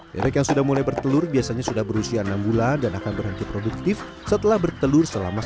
berek yang sudah mulai bertelur biasanya sudah berusia enam bulan dan akan berhenti produktif setelah bertelur selama satu jam